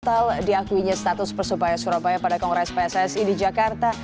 soal diakuinya status persebaya surabaya pada kongres pssi di jakarta